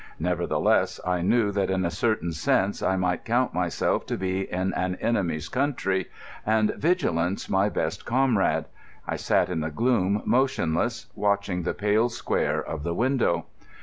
Nevertheless, I knew that in a certain sense I might count myself to be in an enemy's country, and vigilance my best comrade. I sat in the gloom motionless, watching the pale square of the window.